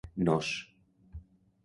No s